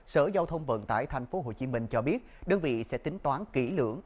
sở giao thông vận tải tp hcm cho biết đơn vị sẽ tính toán kỹ lưỡng